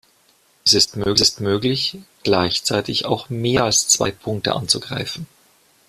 Es ist möglich, gleichzeitig auch mehr als zwei Punkte anzugreifen.